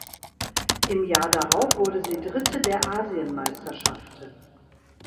Im Jahr darauf wurde sie Dritte der Asienmeisterschaften.